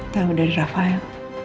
tau dari rafael